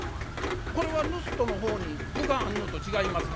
これは盗人の方に分があんのと違いますか？」。